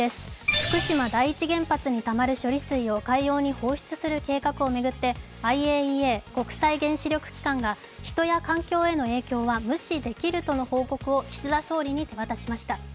福島第一原発にたまる処理水を海洋に放出する計画を巡ってＩＡＥＡ＝国際原子力機関が人や環境への影響は無視できるとの報告を岸田総理に手渡しました。